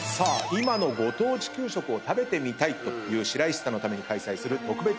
今のご当地給食を食べてみたいという白石さんのために開催する特別企画でございます。